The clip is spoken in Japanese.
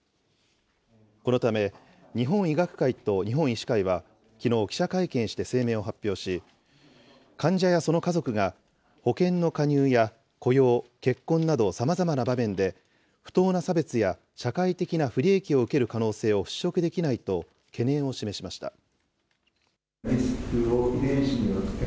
このため、日本医学会と日本医師会はきのう、記者会見して声明を発表し、患者やその家族が保険の加入や雇用、結婚などさまざまな場面で不当な差別や社会的な不利益を受ける可能性を払拭できないと懸念を示しました。